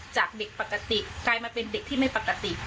จากเด็กปกติกลายมาเป็นเด็กที่ไม่ปกติ